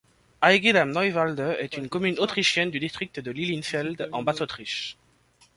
Aegyd am Neuwalde est une commune autrichienne du district de Lilienfeld en Basse-Autriche.